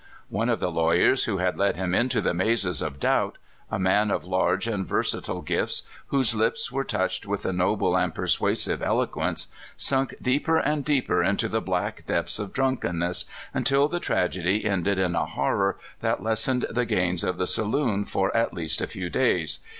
One of the lawyers who had led him into the mazes of doubt a man of large and versatile gifts, whose lips were touched with a noble and persuasive eloquence sunk deeper and deeper into the black depths of drunkenness, until the tragedy ended in a horror that lessened the gains of the saloons for at least a few days.